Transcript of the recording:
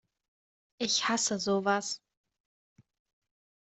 Ich hasse sowas!